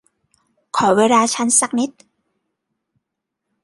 ขอเวลาฉันอีกนิด